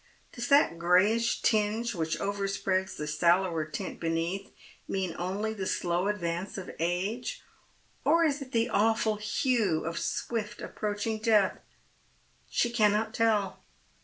Does that grayish tinge wliich overspreads the sallower tint beneath, mean only the slow advance of age ? or is it the awful hue of swift approaching death? She cannot tell.